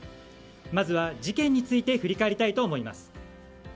まずは事件について振り返りたいと思います。